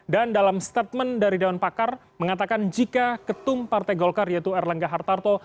dan dalam statement dari dewan pakar mengatakan jika ketum partai golkar yaitu erlangga hartarto